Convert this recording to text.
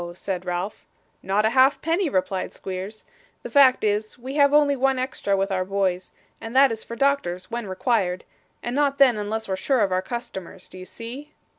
said Ralph. 'Not a halfpenny,' replied Squeers. 'The fact is, we have only one extra with our boys, and that is for doctors when required and not then, unless we're sure of our customers. Do you see?